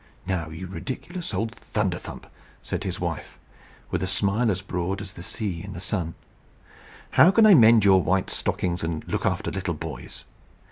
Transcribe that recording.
"Now, you ridiculous old Thunderthump!" said his wife, with a smile as broad as the sea in the sun, "how can I mend your white stockings and look after little boys?